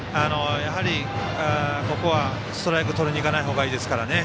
ここはストライクとりにいかないほうがいいですからね。